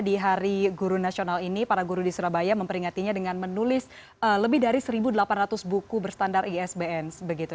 di hari guru nasional ini para guru di surabaya memperingatinya dengan menulis lebih dari satu delapan ratus buku berstandar isbn